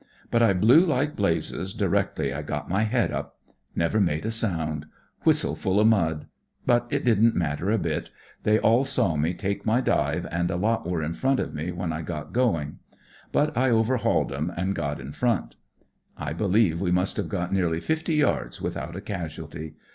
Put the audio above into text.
But I blew like blazes directly I got my head up. Never made a sound. Whistle full of mud. But it didn't matter a bit. They aU saw me take my dive, and a lot were in front of me when I got going. But I overhauled 'em, and got in front. "I beUeve we must have got nearly fifty yards without a casualty.